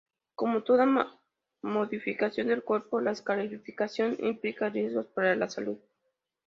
Como toda modificación del cuerpo, la escarificación implica riesgos para la salud.